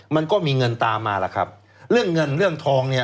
มันก็มีเงินตามมาล่ะครับเรื่องเงินเรื่องทองเนี่ย